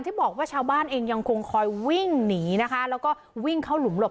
ที่บอกว่าชาวบ้านเองยังคงคอยวิ่งหนีนะคะแล้วก็วิ่งเข้าหลุมหลบ